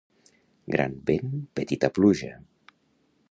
Gran vent, petita pluja.